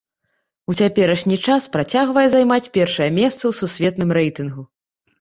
У цяперашні час працягвае займаць першае месца ў сусветным рэйтынгу.